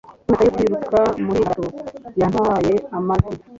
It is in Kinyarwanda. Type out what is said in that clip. Imyaka yo kwiruka muri marato yantwaye amavi.